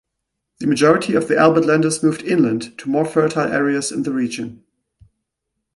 The majority of the Albertlanders moved inland, to more fertile areas in the region.